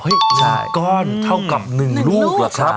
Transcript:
เฮ้ยหนึ่งก้อนเท่ากับหนึ่งลูกเหรอครับ